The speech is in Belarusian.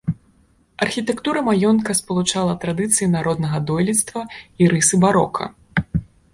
Архітэктура маёнтка спалучала традыцыі народнага дойлідства і рысы барока.